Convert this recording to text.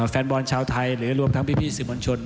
แฟนบอลชาวไทยหรือรวมทั้งพี่สื่อมวลชน